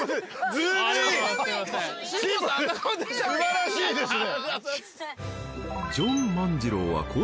素晴らしいですね。